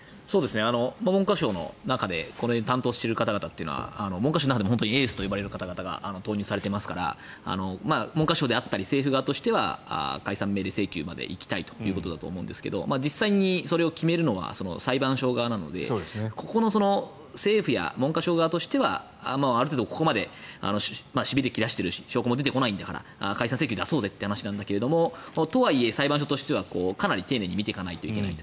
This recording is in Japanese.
文科省の中で担当している方々というのは文科省の中でもエースといわれる方々が投入されていますから文科省であったり政府側としては解散命令請求まで行きたいということだと思うんですが実際にそれを決めるのは裁判所側なのでここの政府や文科省側としてはある程度ここまでしびれ切らしている証拠も出てこないんだから解散請求出そうぜという話なんだけどとはいえ裁判所としてはかなり丁寧に見ていかなきゃいけないと。